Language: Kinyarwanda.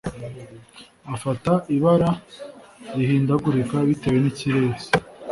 afata ibara rihindagurika bitewe n'ikirere.